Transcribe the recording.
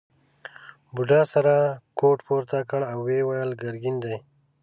بوډا سره کوټ پورته کړ او وویل ګرګین دی.